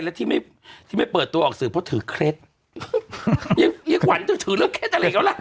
แล้วที่ไม่ที่ไม่เปิดตัวออกสื่อเพราะถือเคร็ดไอ้ขวัญจะถือเรื่องเคร็ดอาหารเขาล่ะ